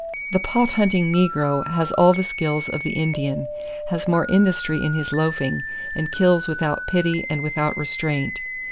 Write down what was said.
The pot hunting negro has all the skill of the Indian, has more industry in his loafing, and kills without pity and without restraint.